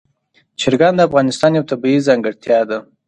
چرګان د افغانستان یوه طبیعي ځانګړتیا ده.